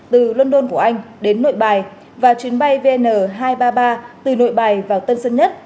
từ london của anh đến nội bài và chuyến bay vn hai trăm ba mươi ba từ nội bài vào tân sân nhất